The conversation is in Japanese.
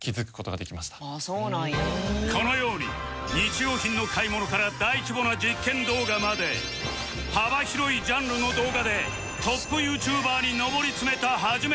このように日用品の買い物から大規模な実験動画まで幅広いジャンルの動画でトップ ＹｏｕＴｕｂｅｒ に上り詰めたはじめしゃちょー